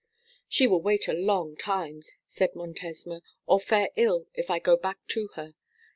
'She will wait a long time,' said Montesma, 'or fare ill if I go back to her.